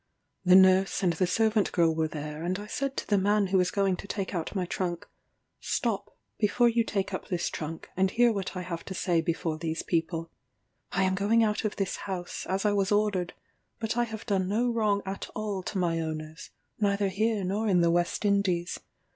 The nurse and the servant girl were there, and I said to the man who was going to take out my trunk, "Stop, before you take up this trunk, and hear what I have to say before these people. I am going out of this house, as I was ordered; but I have done no wrong at all to my owners, neither here nor in the West Indies.